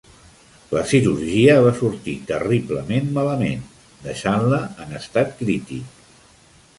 La cirurgia va sortir terriblement malament, deixant-la en estat crític.